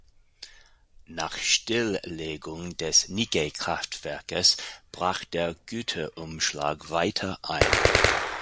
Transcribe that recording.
Nach Stilllegung des Nike Kraftwerkes brach der Güterumschlag weiter ein.